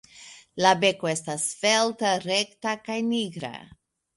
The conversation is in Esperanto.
La beko estas svelta, rekta kaj nigra.